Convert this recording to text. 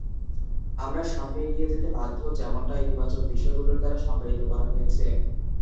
আমরা সামনে এগিয়ে যেতে বাধ্য, যেমনটা ইতিবাচক বিষয়গুলোর দ্বারা সংজ্ঞায়িত করা হয়েছে।